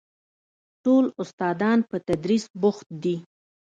ټول استادان په تدريس بوخت دي.